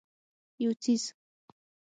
یو څیز